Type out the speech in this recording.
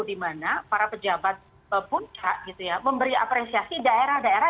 di mana para pejabat punca memberi apresiasi daerah daerah